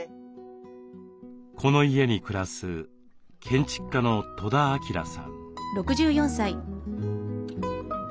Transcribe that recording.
この家に暮らす建築家の戸田晃さん。